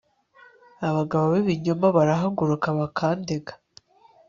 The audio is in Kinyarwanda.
abagabo b ibinyoma barahaguruka bakandega